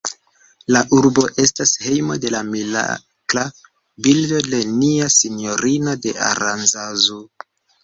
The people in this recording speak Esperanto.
La urbo estas hejmo de la mirakla bildo de Nia Sinjorino de Aranzazu.